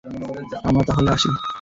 আমরা তাহলে আসি।